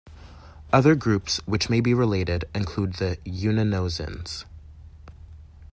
Other groups which may be related include the yunnanozoans.